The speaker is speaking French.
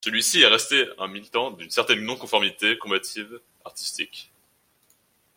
Celui-ci est resté un militant d'une certaine non-conformité combative artistique.